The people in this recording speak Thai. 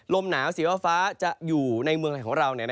ลมหนาวสีฟ้าจะอยู่ในเมืองไทยของเรา